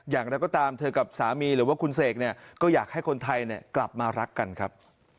อย่างไรก็ตามเธอกับสามีหรือว่าคุณเสกเนี่ยก็อยากให้คนไทยกลับมารักกันครับ